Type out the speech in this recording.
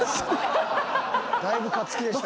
だいぶ勝つ気でした。